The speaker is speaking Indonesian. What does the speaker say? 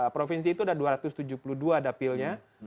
provinsi itu ada dua ratus tujuh puluh dua dapilnya